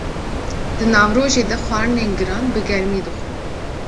Di navrojê de xwarinên giran, bi germî dixwin.